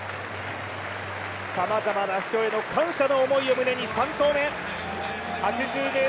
さまざまな人への感謝の思いを胸に３投目。